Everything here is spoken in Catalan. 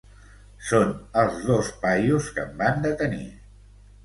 Són els dos paios que em van detenir.